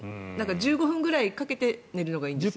１５分くらいかけて寝るのがいいんですよね。